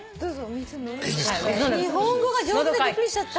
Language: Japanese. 日本語が上手でびっくりしちゃった。